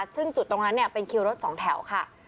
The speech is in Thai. ซึ่งจุดตรงนั้นเป็นคิวรถสองแถวค่ะ